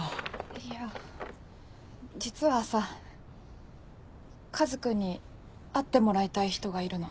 いや実はさカズ君に会ってもらいたい人がいるの。